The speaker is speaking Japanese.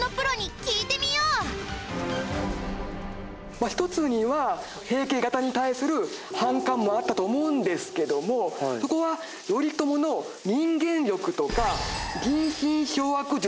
まあ一つには平家方に対する反感もあったと思うんですけどもそこは頼朝の人間力とか人心掌握術。